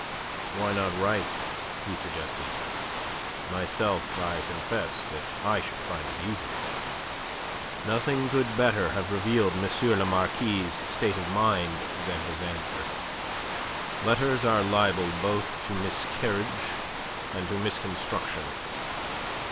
"Why not write?" he suggested. "Myself, I confess that I should find it easier." Nothing could better have revealed M. le Marquis' state of mind than his answer. "Letters are liable both to miscarriage and to misconstruction.